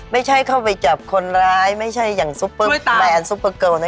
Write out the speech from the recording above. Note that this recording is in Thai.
ไม่ใช่เข้าไปจับคนร้ายไม่ใช่แบรนด์ซูเปอร์เกิล